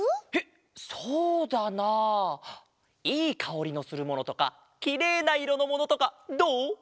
えっそうだなあいいかおりのするものとかきれいないろのものとかどう？